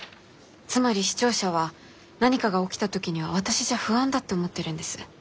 つまり視聴者は何かが起きた時には私じゃ不安だって思ってるんです。